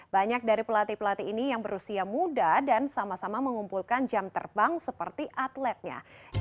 banyak dari pelatih pelatih ini yang berusia muda dan sama sama mengumpulkan jam terbang seperti atletnya